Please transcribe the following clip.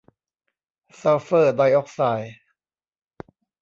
ซัลเฟอร์ไดออกไซด์